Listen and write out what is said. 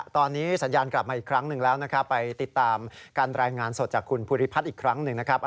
ตอนนี้สัญญาณกลับมาอีกครั้งหนึ่งแล้วนะครับไปติดตามการรายงานสดจากคุณภูริพัฒน์อีกครั้งหนึ่งนะครับ